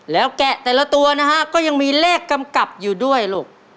แล้วแกะแต่ละตัวนะฮะก็ยังมีเลขกำกับอยู่ด้วยลูก